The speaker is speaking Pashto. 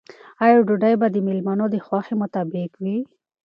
آیا ډوډۍ به د مېلمنو د خوښې مطابق وي؟